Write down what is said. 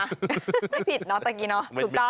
ไม่ผิดเนอะต้องกินเนอะ